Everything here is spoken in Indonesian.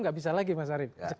tidak bisa lagi mas ari